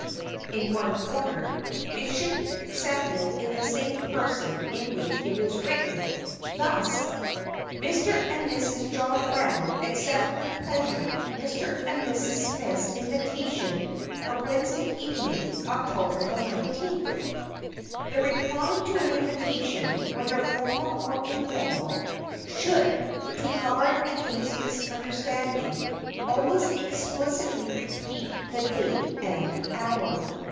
in one corner, it should be accepted in the same person in which it is written, thus: "Mr. and Mrs. John Brown accept with pleasure Mr. and Mrs. Smith's invitation for Wednesday evening, October the nineteenth." The reply to an invitation, whether formal or informal, should, to guard against misunderstanding, always explicitly repeat the date and the hour.